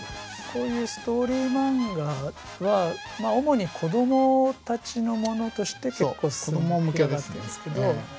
こういうストーリーマンガは主に子どもたちのものとして結構盛り上がったんですけど。